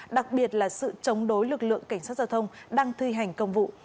đặc biệt là sự chống đối lực lượng cảnh sát giao thông đang thi hành công vụ